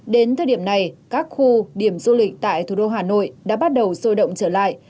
đến thời điểm này các khu điểm du lịch tại thủ đô hà nội đã bắt đầu sôi động trở lại